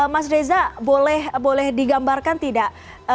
mas reza boleh digambarkan tidak